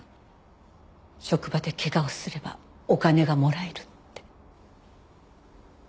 職場で怪我をすればお金がもらえるって。